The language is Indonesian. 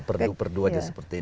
perdu perdu saja seperti ini